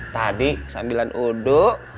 tadi sambilan uduk